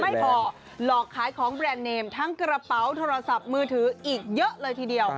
ไม่พอหลอกขายของแบรนด์เนมทั้งกระเป๋าโทรศัพท์มือถืออีกเยอะเลยทีเดียว